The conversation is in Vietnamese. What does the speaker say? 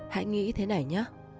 hãy nghĩ thế này nhé